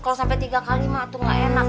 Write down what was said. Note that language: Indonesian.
kalo sampe tiga kali mak tuh gak enak